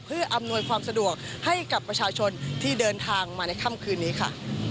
เพื่ออำนวยความสะดวกให้กับประชาชนที่เดินทางมาในค่ำคืนนี้ค่ะ